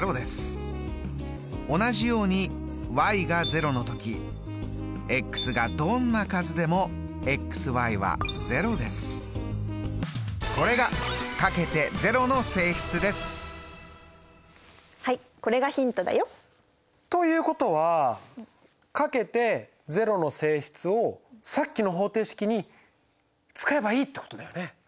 同じようにが０のときこれがはいこれがヒントだよ。ということはかけて０の性質をさっきの方程式に使えばいいってことだよね。